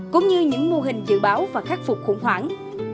cũng như những mô hình dự báo và khắc phục khủng hoảng